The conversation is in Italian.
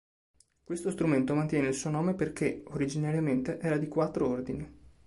Questo strumento mantiene il suo nome perché, originariamente, era di quattro ordini.